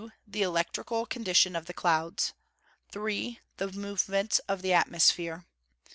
The electrical condition of the clouds. 3. The movements of the atmosphere.